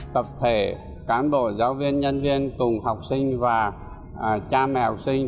tập thể cán bộ giáo viên nhân viên cùng học sinh và cha mẹ học sinh